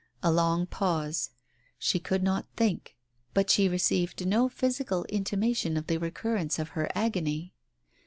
A long pause ! She could not think. But she received no physical intimation of the recurrence of her agony.